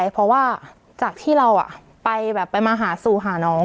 เพราะว่าจากที่เราไปมาหาสู่หาน้อง